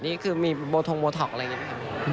นี่คือมีโบทงโบท็อกอะไรอย่างนี้ไหมครับ